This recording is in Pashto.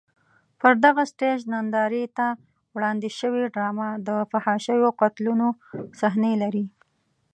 پر دغه سټېج نندارې ته وړاندې شوې ډرامه د فحاشیو او قتلونو صحنې لري.